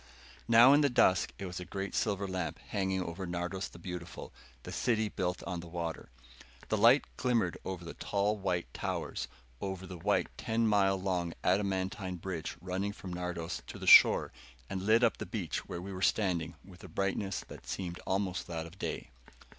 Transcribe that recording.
Now in the dusk it was a great silver lamp hanging over Nardos, the Beautiful, the City Built on the Water. The light glimmered over the tall white towers, over the white ten mile long adamantine bridge running from Nardos to the shore, and lit up the beach where we were standing, with a brightness that seemed almost that of day.